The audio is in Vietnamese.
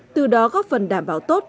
từ đó góp phần đảm bảo tốt